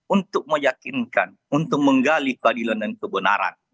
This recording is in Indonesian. untuk meyakinkan untuk menggali keadilan dan kebenaran